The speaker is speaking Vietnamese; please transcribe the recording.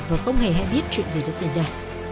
và không hề biết chuyện gì đã xảy ra